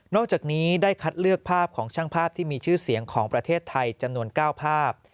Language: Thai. จากนี้ได้คัดเลือกภาพของช่างภาพที่มีชื่อเสียงของประเทศไทยจำนวน๙ภาพ